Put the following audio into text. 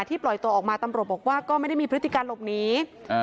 ปล่อยตัวออกมาตำรวจบอกว่าก็ไม่ได้มีพฤติการหลบหนี